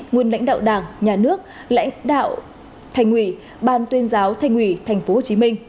nguyên lãnh đạo đảng nhà nước lãnh đạo thành ủy ban tuyên giáo thành ủy tp hcm